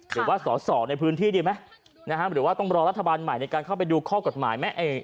หรือว่าสอสอในพื้นที่ดีไหมหรือว่าต้องรอรัฐบาลใหม่ในการเข้าไปดูข้อกฎหมายไหม